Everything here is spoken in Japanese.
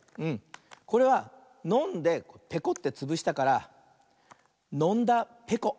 これはのんでぺこってつぶしたから「のんだぺこ」。